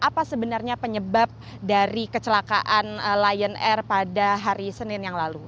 apa sebenarnya penyebab dari kecelakaan lion air pada hari senin yang lalu